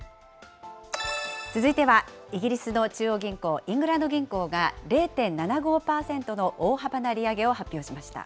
続いてはイギリスの中央銀行、イングランド銀行が０．７５％の大幅な利上げを発表しました。